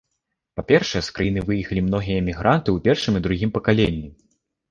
Па-першае, з краіны выехалі многія мігранты ў першым і другім пакаленні.